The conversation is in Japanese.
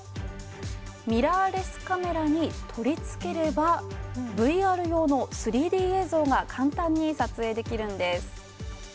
ミラーレスカメラに取り付ければ、ＶＲ用の３Ｄ映像が簡単に撮影できるんです。